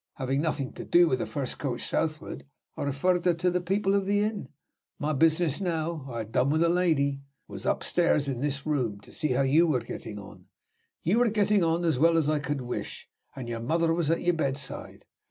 Having nothing to do with the first coach southward, I referred her to the people of the inn. My business (now I had done with the lady) was upstairs in this room, to see how you were getting on. You were getting on as well as I could wish, and your mother was at your bedside.